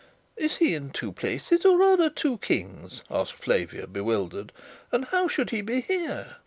"Is he in two places, or are there two Kings?" asked Flavia, bewildered. "And how should he be there?"